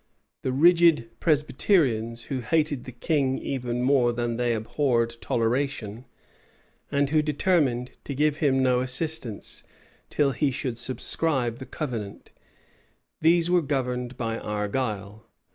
The "rigid Presbyterians," who hated the king even more than they abhorred toleration; and who determined to give him no assistance, till he should subscribe the covenant: these were governed by Argyle.